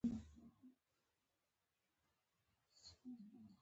زردالو د ټولو افغان ښځو په ژوند کې رول لري.